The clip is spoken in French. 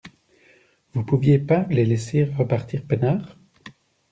Vous pouviez pas les laisser repartir peinards ?